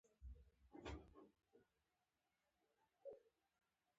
په بېړه ولاړ شو، خو دا ځل به زه یوازې نه یم.